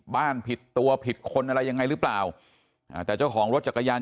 ผิดตัวผิดคนอะไรยังไงหรือเปล่าอ่าแต่เจ้าของรถจักรยาน